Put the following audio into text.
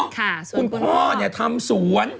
คุณพ่อทำสวน